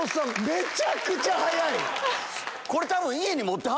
めちゃくちゃ早い！